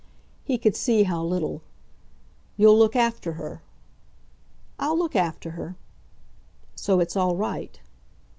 He could see how little. "You'll look after her." "I'll look after her." "So it's all right."